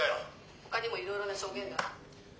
「ほかにもいろいろな証言が」。